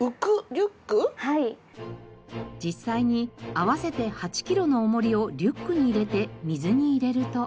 実際に合わせて８キロの重りをリュックに入れて水に入れると。